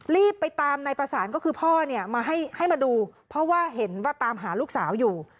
รีบไปตามนายประสานก็คือพ่อเนี่ยมาให้มาดูเพราะว่าเห็นว่าตามหาลูกสาวอยู่